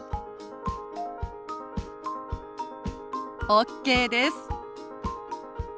ＯＫです。